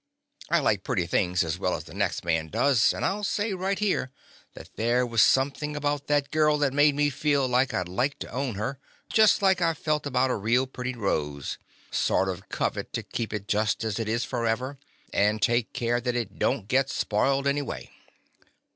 I like pretty things as well as the next man does, and I '11 say right here that there was something about that girl that made me feel like I 'd like to own her — ^just like I feel about a real pretty rose, sort of covet to keep it just as it is forever, and take care that it don't git spoiled any way.